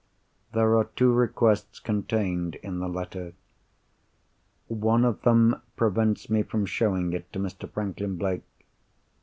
There are two requests contained in the letter. One of them prevents me from showing it to Mr. Franklin Blake.